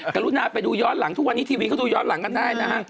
กรุณาไปดูย้อนหลังทุกวันนี้ทีวีเขาดูย้อนหลังกันได้นะฮะ